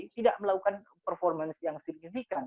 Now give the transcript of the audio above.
tidak melakukan performance yang signifikan